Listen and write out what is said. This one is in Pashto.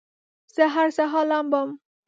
زه هر سهار لامبم